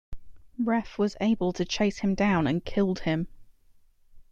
Ref was able to chase him down and killed him.